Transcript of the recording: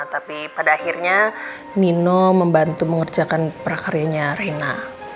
tapi pada akhirnya nino membantu mengerjakan prakaryanya reina